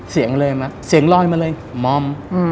เสียงเลยเสียงลอยมาเลยมอม